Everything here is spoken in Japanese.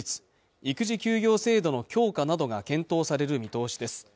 育児休業制度の強化などが検討される見通しです